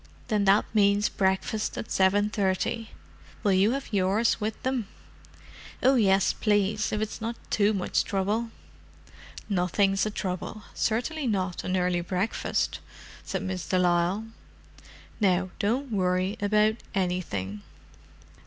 "Then that means breakfast at seven thirty. Will you have yours with them?" "Oh yes, please—if it's not too much trouble." "Nothing's a trouble—certainly not an early breakfast," said Miss de Lisle. "Now don't worry about anything."